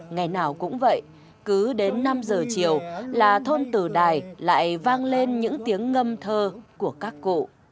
ngày nào cũng vậy cứ đến năm giờ chiều là thôn từ đài lại vang lên những tiếng ngâm thơ của các cụ